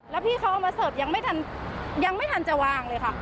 แล้วพี่เขาเอามาเสิร์ฟยังไม่ทันจะวางเลยค่ะ